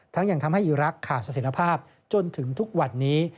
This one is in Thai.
ทั้งยังทำให้อีรักษ์ขาดสังเกตภาพจนถึงทุกวัดนี้